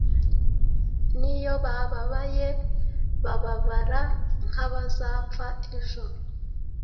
n'iyo bababaye bababara nk'abazapfa ejo,